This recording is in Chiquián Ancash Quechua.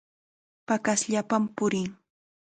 Paqasllapam purin.